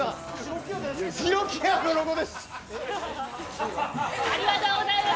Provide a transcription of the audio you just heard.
白木屋のロゴです。